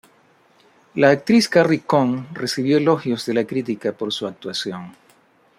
La actriz Carrie Coon recibió elogios de la crítica por su actuación.